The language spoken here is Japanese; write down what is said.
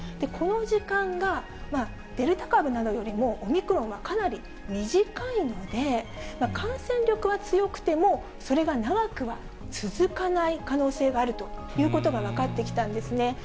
この時間が、デルタ株などよりもオミクロンはかなり短いので、感染力は強くても、それが長くは続くない可能性があるということが分かってきたんですね。